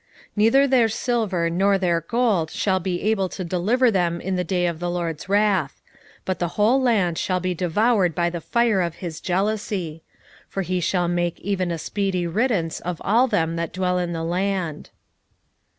1:18 Neither their silver nor their gold shall be able to deliver them in the day of the LORD's wrath; but the whole land shall be devoured by the fire of his jealousy: for he shall make even a speedy riddance of all them that dwell in the land.